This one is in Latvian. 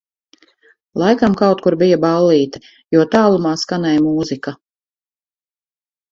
Laikam kaut kur bija ballīte, jo tālumā skanēja mūzika